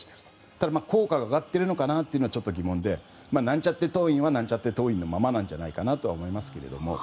ただ、効果が上がっているのかはちょっと疑問でなんちゃって党員はなんちゃって党員のままなんじゃないかと思いますけど。